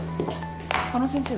あの先生は。